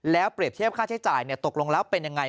แล้วเปรียบเทียบค่าใช้จ่ายตกลงแล้วเป็นยังไง